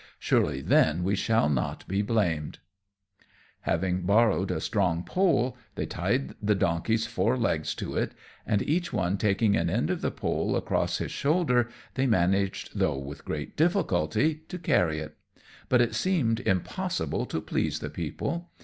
Surely then we shall not be blamed." [Illustration: The Beast a Burden.] Having borrowed a strong pole, they tied the donkey's four legs to it, and each taking an end of the pole across his shoulder, they managed, though with great difficulty, to carry it; but it seemed impossible to please the people.